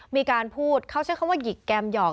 มีการพูดเขาใช้คำว่าหยิกแกมหยอก